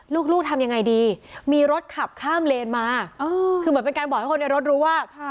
ลูกทำยังไงดีมีรถขับข้ามเลนมาคือเหมือนเป็นการบอกให้คนในรถรู้ว่า